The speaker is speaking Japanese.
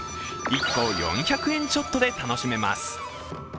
１個４００円ちょっとで楽しめます。